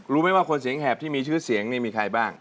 รู้ไหมว่าคนเสียงแหบที่มีชื่อเสียงนี่มีใครบ้าง